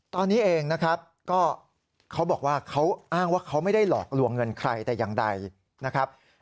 ตอนนี้เองนะครับก็เขาบอกว่าเขาอ้างว่าเขาไม่ได้หลอกลวงเงินใครแต่อย่างใดนะครับ